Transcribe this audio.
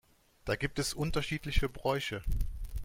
Da gibt es unterschiedliche Bräuche.